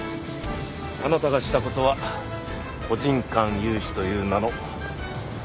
あなたがした事は個人間融資という名の犯罪です。